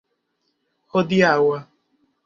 hodiaŭa